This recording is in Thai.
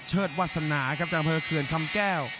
เชิดวาสนาครับจังเผยเขื่อนคำแก้ว